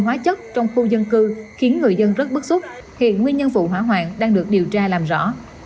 hóa chất trong khu dân cư khiến người dân rất bức xúc hiện nguyên nhân vụ hỏa hoạn đang được điều tra làm rõ